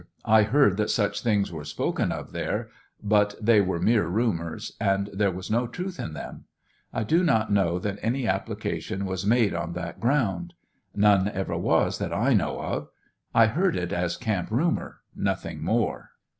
I heard that such things were spoken of there, but they were mere rumors, and there was no truth in them ;I do not know that any application was made on that ground. None ever was, that I know of. I heard it as camp rumor, nothing more.